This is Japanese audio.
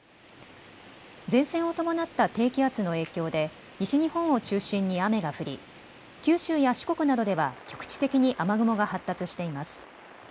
前線を伴った低気圧の影響で西日本を中心に雨が降り、九州や四国などでは局地的に雨雲が発達しています。